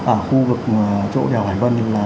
ở khu vực chỗ đèo hải vân